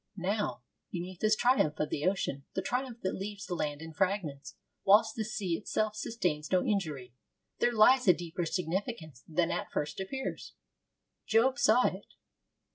Now, beneath this triumph of the ocean the triumph that leaves the land in fragments whilst the sea itself sustains no injury there lies a deeper significance than at first appears. Job saw it.